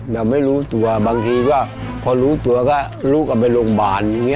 แต่ไม่รู้ตัวบางทีก็พอรู้ตัวก็ลูกกลับไปโรงพยาบาลอย่างนี้